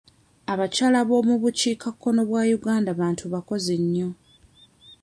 Abakyala b'omu bukiika kkono bwa Uganda bantu bakozi nnyo.